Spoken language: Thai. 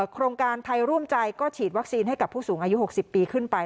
โครงการไทยร่วมใจก็ฉีดวัคซีนให้กับผู้สูงอายุ๖๐ปีขึ้นไป